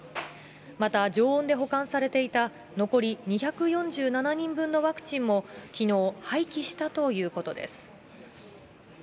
また、常温で保管されていた残り２４７人分のワクチンも、きのう廃棄したということです。